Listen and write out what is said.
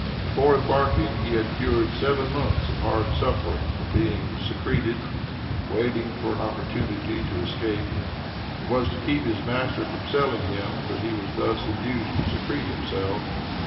Before embarking, he had endured seven months of hard suffering from being secreted, waiting for an opportunity to escape. It was to keep his master from selling him, that he was thus induced to secrete himself.